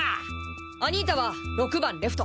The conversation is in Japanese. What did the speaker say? アニータは６番レフト。